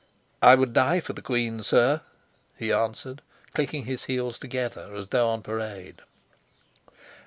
"I would die for the queen, sir," he answered, clicking his heels together as though on parade.